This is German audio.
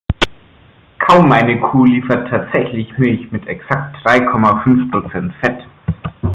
Kaum eine Kuh liefert tatsächlich Milch mit exakt drei Komma fünf Prozent Fett.